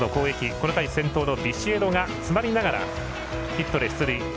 この回、先頭のビシエドが詰まりながらヒットで出塁。